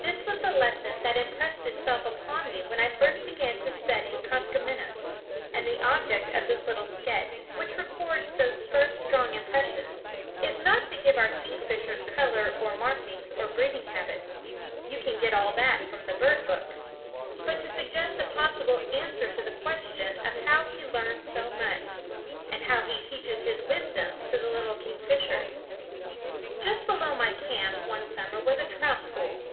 This was the lesson that impressed itself upon me when I first began to study Koskomenos; and the object of this little sketch, which records those first strong impressions, is not to give our kingfisher's color or markings or breeding habits you can get all that from the bird books but to suggest a possible answer to the question of how he learns so much, and how he teaches his wisdom to the little kingfishers. Just below my camp, one summer, was a trout pool.